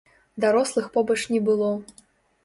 Дарослых побач не было.